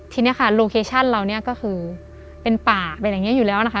ทีนี้ค่ะโลเคชั่นเราเนี่ยก็คือเป็นป่าเป็นอย่างนี้อยู่แล้วนะคะ